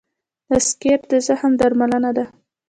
د سکېر د زخم درملنه ده.